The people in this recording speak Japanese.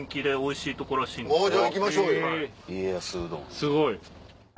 すごい。